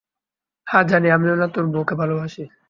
হ্যাঁ, জানি, আমিও না তোর বউকে ভালোবাসি!